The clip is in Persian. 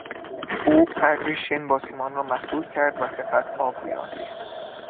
او قدری شن با سیمان را مخلوط کرد و سپس آب روی آن ریخت.